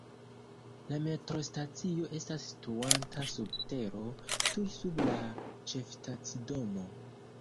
La metrostacio estas situanta sub tero, tuj sub la ĉefstacidomo.